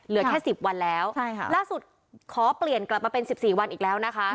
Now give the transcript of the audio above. เหลือแค่สิบวันแล้วใช่ค่ะล่าสุดขอเปลี่ยนกลับมาเป็นสิบสี่วันอีกแล้วนะคะ